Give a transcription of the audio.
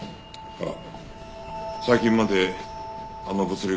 ああ。